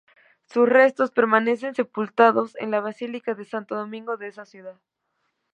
Sus restos permanecen sepultados en la basílica de Santo Domingo de esa ciudad.